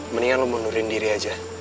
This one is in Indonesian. mendingan lo mundurin diri aja